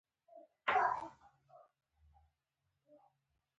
د علم پرمختګ هم د خیال نتیجه ده.